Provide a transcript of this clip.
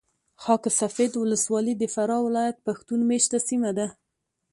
خاک سفید ولسوالي د فراه ولایت پښتون مېشته سیمه ده .